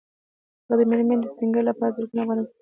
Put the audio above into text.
هغه د مېرمنې د سینګار لپاره زرګونه افغانۍ ورکوي